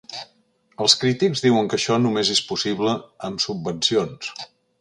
Els crítics diuen que això només és possible amb subvencions.